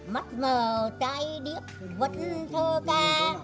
mắt mờ trái điếc vận thơ ca